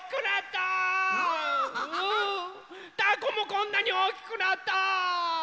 たこもこんなにおおきくなった！